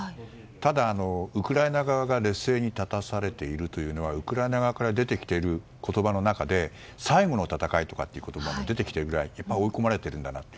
ただ、ウクライナ側が劣勢に立たされているのはウクライナ側から出てきている言葉の中で最後の戦いっていう言葉が出てきているくらい追い込まれているんだなと。